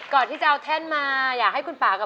ก่อนที่จะเอาแท่นมาอยากให้คุณป่ากับ